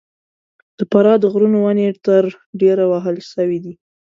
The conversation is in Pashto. د فراه د غرونو ونې تر ډېره وهل سوي دي.